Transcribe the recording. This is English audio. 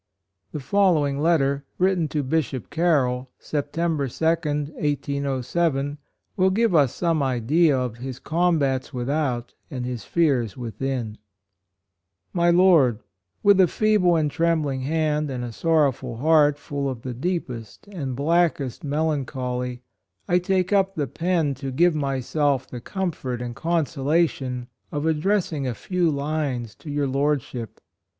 The following letter, written to Bishop Carroll, September 2d, 1807, will give us some idea of "his combats without and his fears within :"" My Lord :" With a feeble and trembling hand, and a sorrowful heart, full of the deepest and blackest melan choly, I take up the pen to give mvself the comfort and consolation of addressing a few lines to your Lordship.